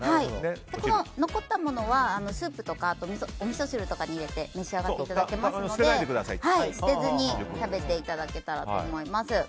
残ったものはスープとかおみそ汁とかに入れて召し上がっていただけますので捨てずに食べていただけたらと思います。